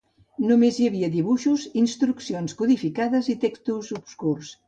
Només hi havia dibuixos, instruccions codificades i textos obscurs.